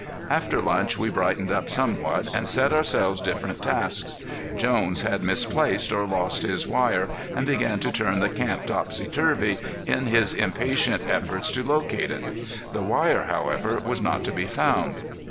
After lunch we brightened up somewhat and set ourselves different tasks. Jones had misplaced or lost his wire and began to turn the camp topsy turvy in his impatient efforts to locate it. The wire, however, was not to be found.